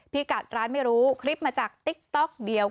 พี่กัดร้านไม่รู้คลิปมาจากติ๊กต๊อกเดียว